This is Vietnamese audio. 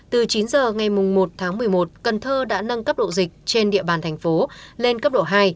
từ chín giờ ngày một tháng một mươi một cần thơ đã nâng cấp độ dịch trên địa bàn thành phố lên cấp độ hai